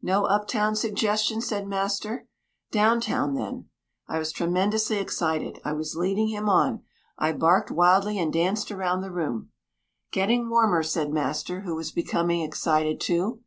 "No up town suggestion," said master. "Down town, then?" I was tremendously excited. I was leading him on. I barked wildly, and danced about the room. "Getting warmer," said master, who was becoming excited too.